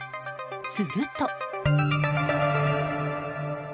すると。